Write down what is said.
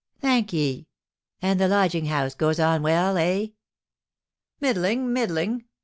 "Thank ye. And the lodging house goes on well, eh?" "Middling, middling.